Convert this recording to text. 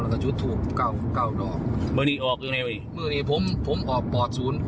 แล้วก็จุดทูบเก้าเก้านอกมือนี่ออกยังไงเว้ยเมื่อนี้ผมผมออกปอดศูนย์